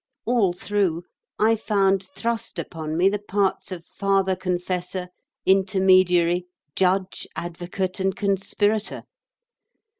All through, I found thrust upon me the parts of father confessor, intermediary, judge, advocate, and conspirator....